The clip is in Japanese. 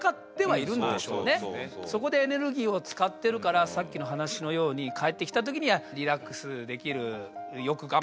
そこでエネルギーを使ってるからさっきの話のように帰ってきた時にはリラックスできる「よく頑張ったな！